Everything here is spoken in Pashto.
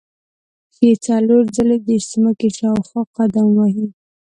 پښې څلور ځلې د ځمکې شاوخوا قدم وهي.